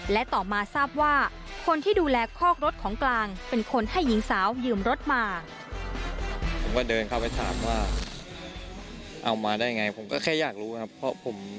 และต่อมาทราบว่าคนที่ดูแลคอกรถของกลางเป็นคนให้หญิงสาวยืมรถมา